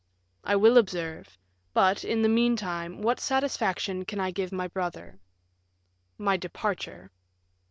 "I will observe; but, in the meantime, what satisfaction can I give my brother?" "My departure."